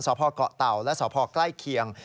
สอบพ่อกะเตาและสอบพ่อกล้ายเคียง